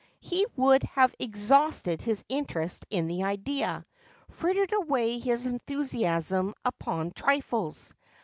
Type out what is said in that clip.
' He would have exhausted his interest in the idea, frittered away his enthusiasm upon trifles.